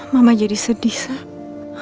mama jadi sedih sahab